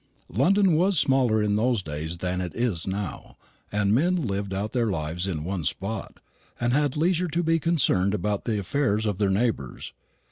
London was smaller in those days than it is now, and men lived out their lives in one spot, and had leisure to be concerned about the affairs of their neighbours.